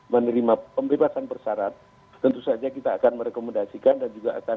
menerima pembebasan bersyarat tentu saja kita akan merekomendasikan dan juga akan